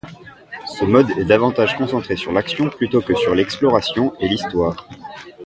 Ce mode est davantage concentré sur l'action plutôt que sur l'exploration et l'histoire.